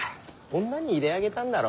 女に入れ揚げたんだろ？